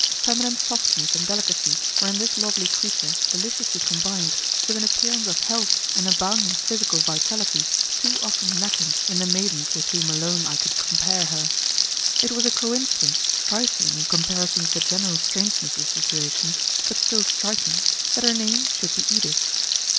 Feminine softness and delicacy were in this lovely creature deliciously combined with an appearance of health and abounding physical vitality too often lacking in the maidens with whom alone I could compare her. It was a coincidence trifling in comparison with the general strangeness of the situation, but still striking, that her name should be Edith.